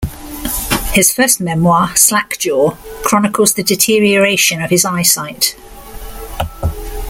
His first memoir, "Slackjaw", chronicles the deterioration of his eyesight.